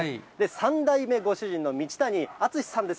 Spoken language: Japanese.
３代目ご主人の道谷淳史さんです。